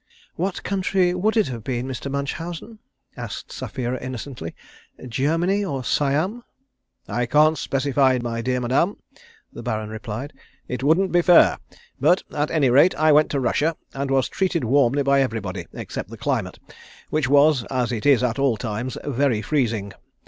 "What country would it have been, Mr. Munchausen," asked Sapphira innocently, "Germany or Siam?" "I can't specify, my dear madame," the Baron replied. "It wouldn't be fair. But, at any rate, I went to Russia, and was treated warmly by everybody, except the climate, which was, as it is at all times, very freezing.